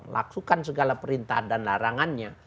lakukan segala perintah dan larangannya